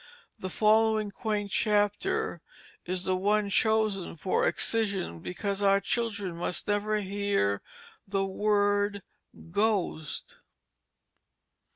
The following quaint chapter is the one chosen for excision, because our children must never hear the word ghost.